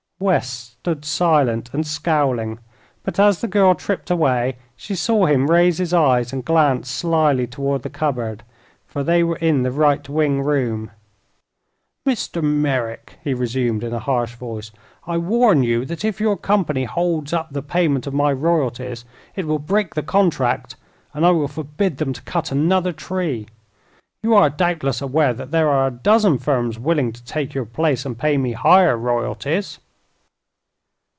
West stood silent and scowling, but as the girl tripped away she saw him raise his eyes and glance slyly toward the cupboard, for they were in the right wing room. "Mr. Merrick," he resumed, in a harsh voice; "I warn you that if your company holds up the payment of my royalties it will break the contract, and I will forbid them to cut another tree. You are doubtless aware that there are a dozen firms willing to take your place and pay me higher royalties."